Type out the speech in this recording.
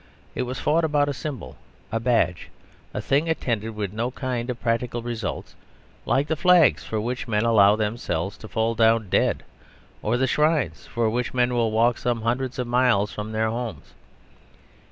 It was fought about a symbol, a badge, a thing attended with no kind of practical results, like the flags for which men allow themselves to fall down dead, or the shrines for which men will walk some hundreds of miles from their homes.